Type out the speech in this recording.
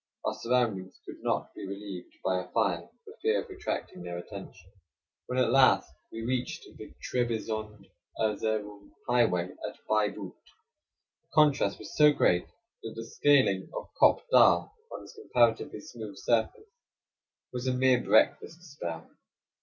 Our surroundings could not be relieved by a fire for fear of attracting their attention. A FERRY IN ASIA MINOR. 37 When at last we reached the Trebizond Erzerum highway at Baiboot, the contrast was so great that the scaling of Kop Dagh, on its comparatively smooth surface, was a mere breakfast spell.